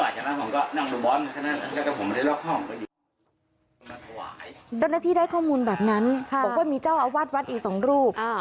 เจ้าหน้าที่ได้ข้อมูลแบบนั้นบอกว่ามีเจ้าอาวาสวัดอีกสองรูป